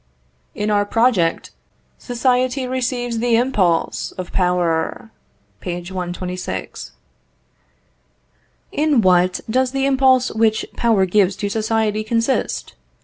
"In our project, society receives the impulse of power." (Page 126.) In what does the impulse which power gives to society consist?